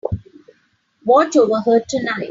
Watch over her tonight.